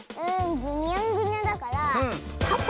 ぐにゃんぐにゃだからタコ？